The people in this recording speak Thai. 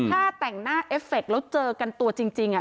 ถ้าแต่งหน้าเอฟเฟคแล้วเจอกันตัวจริง